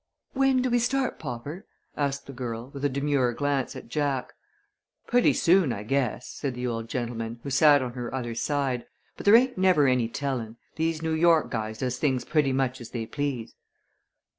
"When do we start, Popper?" asked the girl, with a demure glance at Jack. "Putty soon, I guess," said the old gentleman, who sat on her other side. "But there ain't never any tellin'. These New York guys does things putty much as they please."